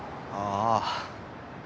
ああ。